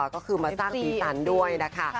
ก็คือมาสร้างสีสันด้วยนะคะ